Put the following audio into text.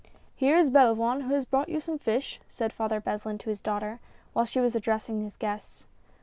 " Here is Belavoine, who has brought you some fish," said Father Beslin to his daughter, while she was ad dressing his guests.